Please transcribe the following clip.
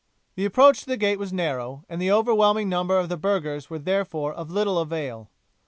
The approach to the gate was narrow, and the overwhelming number of the burghers were therefore of little avail.